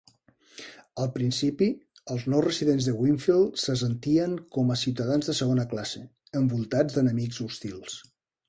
Al principi, els nous residents de Winfield se sentien com a ciutadans de segona classe, envoltats d'enemics hostils.